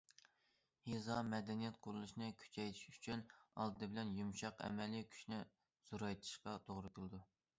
يېزا مەدەنىيەت قۇرۇلۇشىنى كۈچەيتىش ئۈچۈن، ئالدى بىلەن يۇمشاق ئەمەلىي كۈچنى زورايتىشقا توغرا كېلىدۇ.